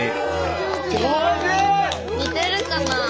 似てるかなあ？